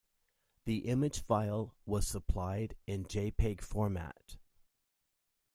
The image file was supplied in jpeg format.